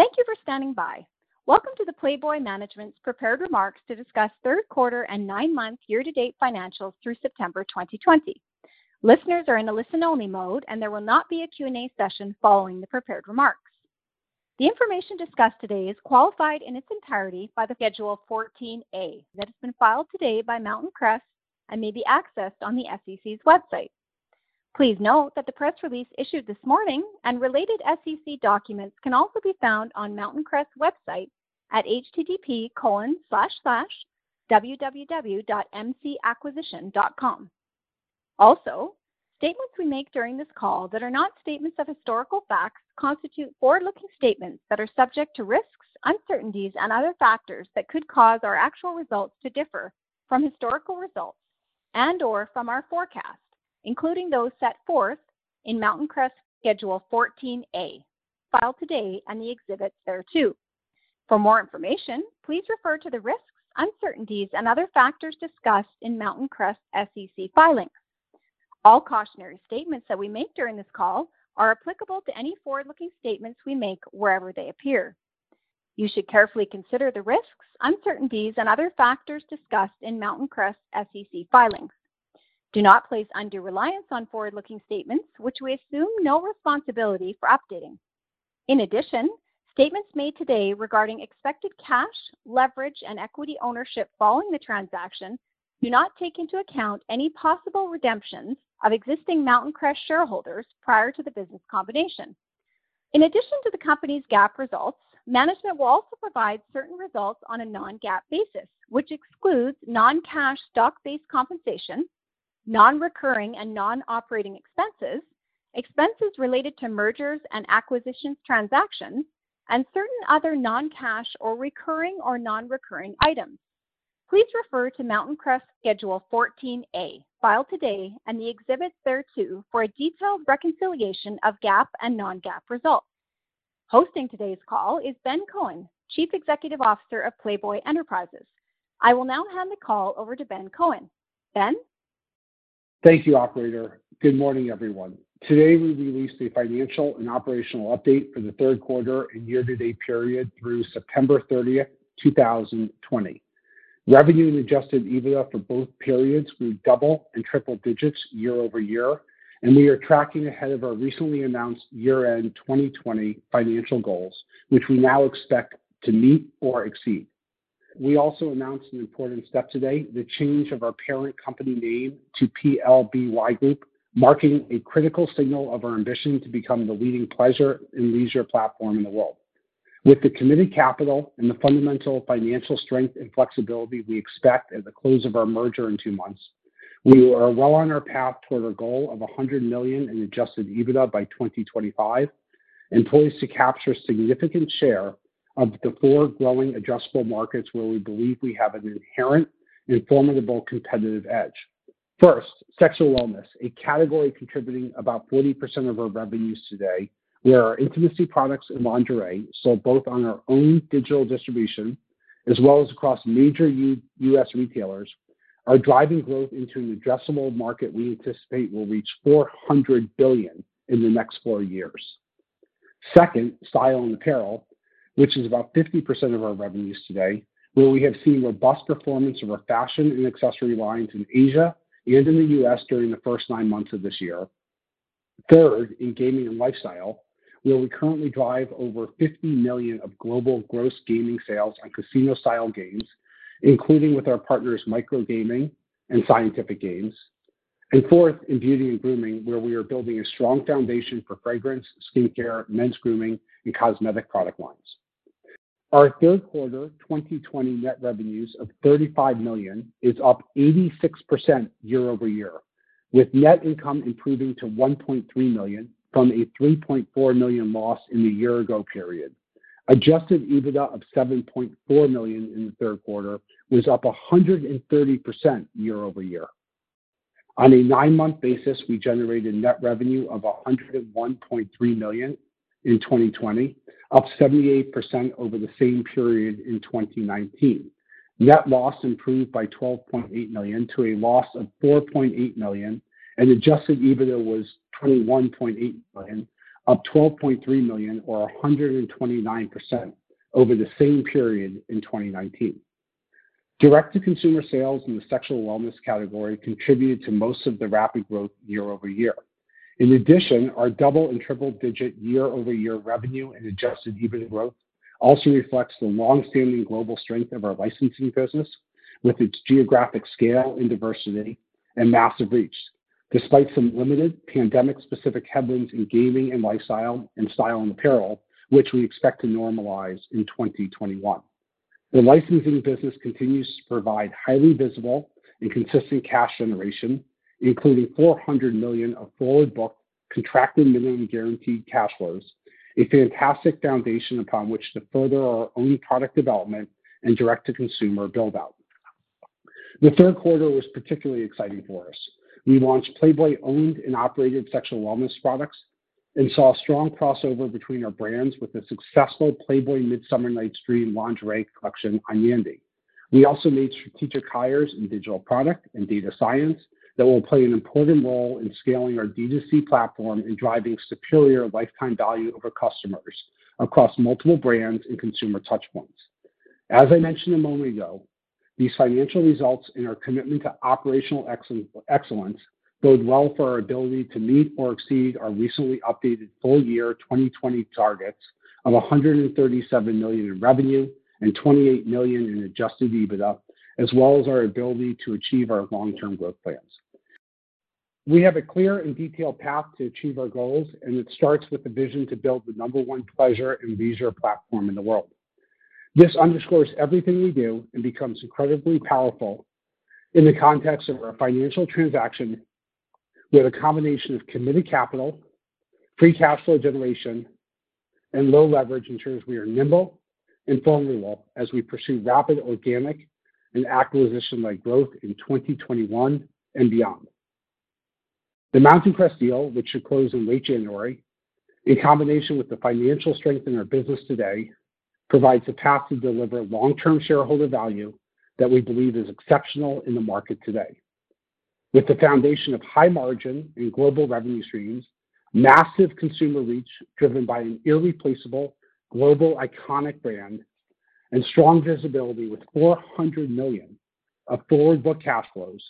Thank you for standing by. Welcome to the Playboy Management's prepared remarks to discuss third quarter and nine-month year-to-date financials through September 2020. Listeners are in a listen-only mode, and there will not be a Q&A session following the prepared remarks. The information discussed today is qualified in its entirety by the Schedule 14A that has been filed today by Mountain Crest and may be accessed on the SEC's website. Please note that the press release issued this morning and related SEC documents can also be found on Mountain Crest's website at https://www.mcacquisition.com. Also, statements we make during this call that are not statements of historical facts constitute forward-looking statements that are subject to risks, uncertainties, and other factors that could cause our actual results to differ from historical results and/or from our forecast, including those set forth in Mountain Crest's Schedule 14A, filed today and the exhibits thereto. For more information, please refer to the risks, uncertainties, and other factors discussed in Mountain Crest's SEC filings. All cautionary statements that we make during this call are applicable to any forward-looking statements we make wherever they appear. You should carefully consider the risks, uncertainties, and other factors discussed in Mountain Crest's SEC filings. Do not place undue reliance on forward-looking statements, which we assume no responsibility for updating. In addition, statements made today regarding expected cash, leverage, and equity ownership following the transaction do not take into account any possible redemptions of existing Mountain Crest shareholders prior to the business combination. In addition to the company's GAAP results, management will also provide certain results on a non-GAAP basis, which excludes non-cash stock-based compensation, non-recurring and non-operating expenses, expenses related to mergers and acquisitions transactions, and certain other non-cash or recurring or non-recurring items. Please refer to Mountain Crest's Schedule 14A, filed today, and the exhibits there too for a detailed reconciliation of GAAP and non-GAAP results. Hosting today's call is Ben Kohn, Chief Executive Officer of Playboy Enterprises. I will now hand the call over to Ben Kohn. Ben. Thank you, Operator. Good morning, everyone. Today, we released a financial and operational update for the third quarter and year-to-date period through September 30th, 2020. Revenue and Adjusted EBITDA for both periods grew double and triple digits year over year, and we are tracking ahead of our recently announced year-end 2020 financial goals, which we now expect to meet or exceed. We also announced an important step today: the change of our parent company name to PLBY Group, marking a critical signal of our ambition to become the leading pleasure and leisure platform in the world. With the committed capital and the fundamental financial strength and flexibility we expect at the close of our merger in two months, we are well on our path toward our goal of $100 million in Adjusted EBITDA by 2025, and poised to capture a significant share of the four growing addressable markets where we believe we have an inherent and formidable competitive edge. First, sexual wellness, a category contributing about 40% of our revenues today, where our intimacy products and lingerie sold both on our own digital distribution as well as across major U.S. retailers, are driving growth into an addressable market we anticipate will reach $400 billion in the next four years. Second, style and apparel, which is about 50% of our revenues today, where we have seen robust performance of our fashion and accessory lines in Asia and in the U.S. During the first nine months of this year. Third, in gaming and lifestyle, where we currently drive over $50 million of global gross gaming sales on casino-style games, including with our partners Microgaming and Scientific Games. And fourth, in beauty and grooming, where we are building a strong foundation for fragrance, skincare, men's grooming, and cosmetic product lines. Our third quarter 2020 net revenues of $35 million is up 86% year-over-year, with net income improving to $1.3 million from a $3.4 million loss in the year-ago period. Adjusted EBITDA of $7.4 million in the third quarter was up 130% year over year. On a nine-month basis, we generated net revenue of $101.3 million in 2020, up 78% over the same period in 2019. Net loss improved by $12.8 million to a loss of $4.8 million, and adjusted EBITDA was $21.8 million, up $12.3 million, or 129% over the same period in 2019. Direct-to-consumer sales in the sexual wellness category contributed to most of the rapid growth year over year. In addition, our double and triple-digit year-over-year revenue and adjusted EBITDA growth also reflects the long-standing global strength of our licensing business with its geographic scale and diversity and massive reach, despite some limited pandemic-specific headwinds in gaming and lifestyle and style and apparel, which we expect to normalize in 2021. The licensing business continues to provide highly visible and consistent cash generation, including $400 million of forward-booked contracted minimum guaranteed cash flows, a fantastic foundation upon which to further our own product development and direct-to-consumer build-out. The third quarter was particularly exciting for us. We launched Playboy-owned and operated sexual wellness products and saw a strong crossover between our brands with the successful Playboy Midsummer Night's Dream lingerie collection on Yandy. We also made strategic hires in digital product and data science that will play an important role in scaling our D2C platform and driving superior lifetime value of our customers across multiple brands and consumer touchpoints. As I mentioned a moment ago, these financial results and our commitment to operational excellence bode well for our ability to meet or exceed our recently updated full-year 2020 targets of $137 million in revenue and $28 million in Adjusted EBITDA, as well as our ability to achieve our long-term growth plans. We have a clear and detailed path to achieve our goals, and it starts with the vision to build the number one pleasure and leisure platform in the world. This underscores everything we do and becomes incredibly powerful in the context of our financial transaction, where the combination of committed capital, free cash flow generation, and low leverage ensures we are nimble and formidable as we pursue rapid organic and acquisition-like growth in 2021 and beyond. The Mountain Crest deal, which should close in late January, in combination with the financial strength in our business today, provides a path to deliver long-term shareholder value that we believe is exceptional in the market today. With the foundation of high margin and global revenue streams, massive consumer reach driven by an irreplaceable global iconic brand, and strong visibility with $400 million of forward-booked cash flows,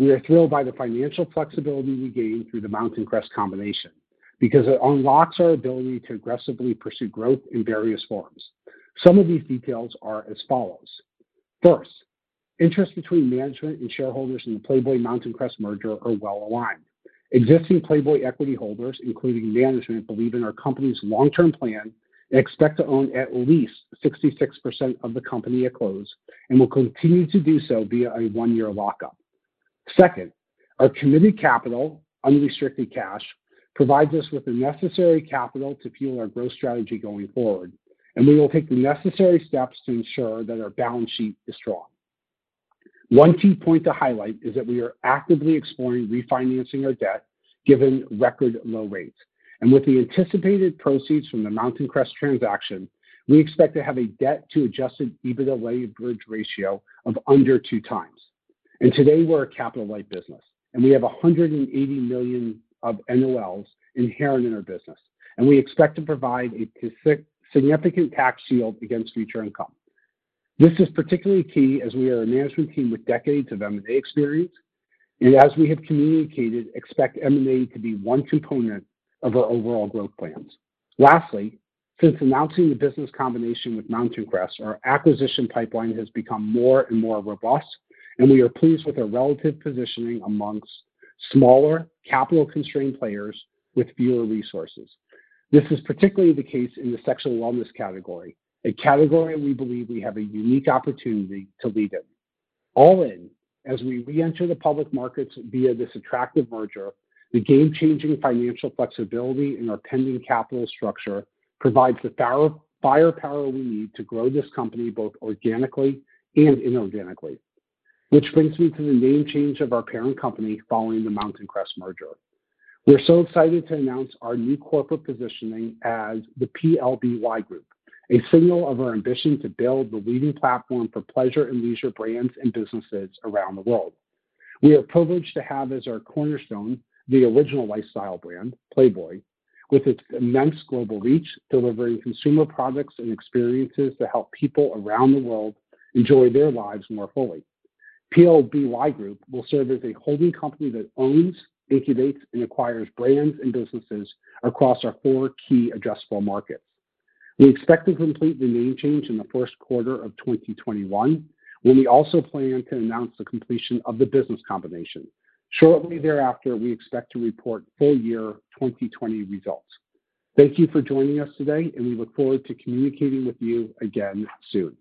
we are thrilled by the financial flexibility we gain through the Mountain Crest combination because it unlocks our ability to aggressively pursue growth in various forms. Some of these details are as follows. First, interests between management and shareholders in the Playboy-Mountain Crest merger are well aligned. Existing Playboy equity holders, including management, believe in our company's long-term plan and expect to own at least 66% of the company at close and will continue to do so via a one-year lockup. Second, our committed capital, unrestricted cash, provides us with the necessary capital to fuel our growth strategy going forward, and we will take the necessary steps to ensure that our balance sheet is strong. One key point to highlight is that we are actively exploring refinancing our debt given record low rates, and with the anticipated proceeds from the Mountain Crest transaction, we expect to have a debt-to-Adjusted EBITDA-weighted bridge ratio of under two times. Today, we're a capital-light business, and we have $180 million of NOLs inherent in our business, and we expect to provide a significant tax shield against future income. This is particularly key as we are a management team with decades of M&A experience, and as we have communicated, expect M&A to be one component of our overall growth plans. Lastly, since announcing the business combination with Mountain Crest, our acquisition pipeline has become more and more robust, and we are pleased with our relative positioning amongst smaller, capital-constrained players with fewer resources. This is particularly the case in the sexual wellness category, a category we believe we have a unique opportunity to lead in. All in, as we re-enter the public markets via this attractive merger, the game-changing financial flexibility in our pending capital structure provides the firepower we need to grow this company both organically and inorganically, which brings me to the name change of our parent company following the Mountain Crest merger. We're so excited to announce our new corporate positioning as the PLBY Group, a signal of our ambition to build the leading platform for pleasure and leisure brands and businesses around the world. We are privileged to have as our cornerstone the original lifestyle brand, Playboy, with its immense global reach, delivering consumer products and experiences that help people around the world enjoy their lives more fully. PLBY Group will serve as a holding company that owns, incubates, and acquires brands and businesses across our four key adjustable markets. We expect to complete the name change in the first quarter of 2021, when we also plan to announce the completion of the business combination. Shortly thereafter, we expect to report full-year 2020 results. Thank you for joining us today, and we look forward to communicating with you again soon.